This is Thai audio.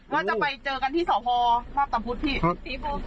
หนักว่าจะไปเจอกันที่สหพ